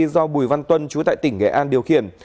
do bùi văn tuân chú tại tỉnh nghệ an điều khiển